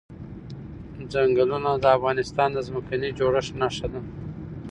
ځنګلونه د افغانستان د ځمکې د جوړښت نښه ده.